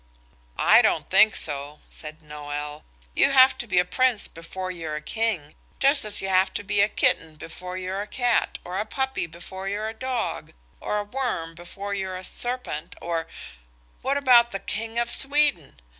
"I don't think so," said Noël; "you have to be a prince before you're a king, just as you have to be a kitten before you're a cat, or a puppy before you're a dog, or a worm before you're a serpent, or–" "What about the King of Sweden?"